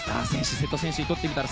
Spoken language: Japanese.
瀬戸選手に取ってみたら。